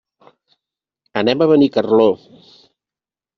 Anem a Benicarló.